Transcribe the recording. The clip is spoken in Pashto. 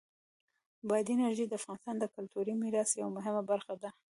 بادي انرژي د افغانستان د کلتوری میراث یوه مهمه برخه ده.